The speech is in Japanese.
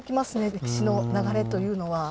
歴史の流れというのは。